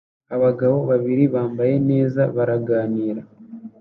Abagabo babiri bambaye neza baraganira